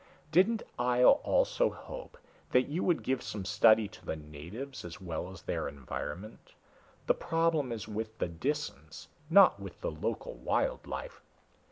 "Didn't Ihjel also hope that you would give some study to the natives as well as their environment? The problem is with the Disans not with the local wild life."